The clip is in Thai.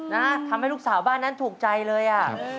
นะทำให้ลูกสาวบ้านนั้นถูกใจเลยอ่ะ